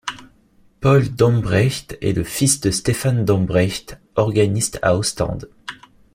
Paul Dombrecht est le fils de Stefaan Dombrecht, organiste à Ostende.